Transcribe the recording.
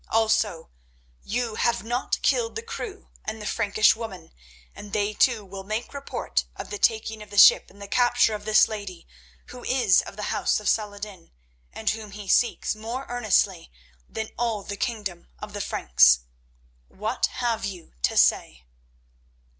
Also you have not killed the crew and the Frankish woman, and they too will make report of the taking of the ship and the capture of this lady, who is of the house of Salah ed din and whom he seeks more earnestly than all the kingdom of the Franks. What have you to say?"